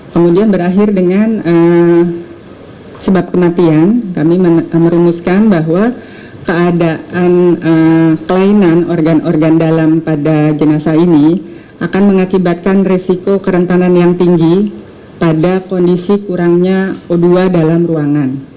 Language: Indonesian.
kemudian berakhir dengan sebab kematian kami merumuskan bahwa keadaan kelainan organ organ dalam pada jenazah ini akan mengakibatkan resiko kerentanan yang tinggi pada kondisi kurangnya o dua dalam ruangan